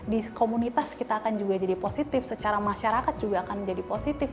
di komunitas kita akan juga jadi positif secara masyarakat juga akan menjadi positif